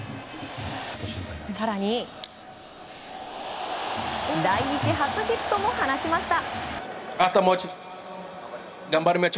更に来日初ヒットも放ちました。